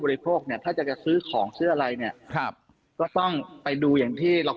บริโภคถ้าจะซื้อของเสื้ออะไรเนี่ยก็ต้องไปดูอย่างที่เรา